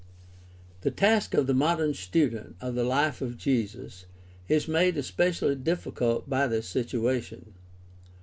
The task of the modern student of the hfe of Jesus is made especially difficult by this situation.